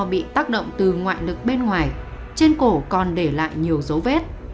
bị tác động từ ngoại lực bên ngoài trên cổ còn để lại nhiều dấu vết